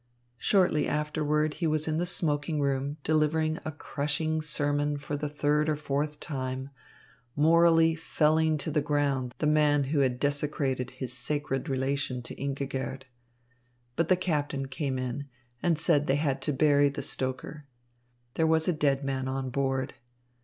Shortly afterward he was in the smoking room delivering a crushing sermon for the third or fourth time, morally felling to the ground the man who had desecrated his sacred relation to Ingigerd. But the captain came in, and said they had to bury the stoker. There was a dead man on board.